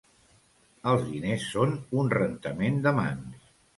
Els diners són un rentament de mans.